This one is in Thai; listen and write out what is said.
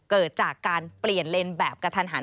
เกิดจากการเปลี่ยนเลนส์แบบกระทันหัน